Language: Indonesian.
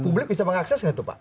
publik bisa mengakses nggak itu pak